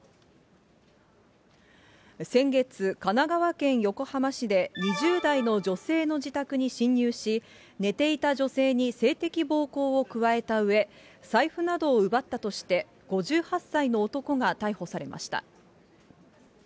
先月、神奈川県横浜市で２０代の女性の自宅に侵入し、寝ていた女性に性的暴行を加えたうえ、財布などを奪ったとして、５８歳の男が逮捕されました。